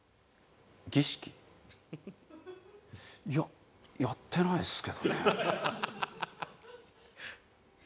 いややってないですけどね。